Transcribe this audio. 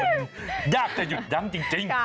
มันยากจะหยุดยั้งจริง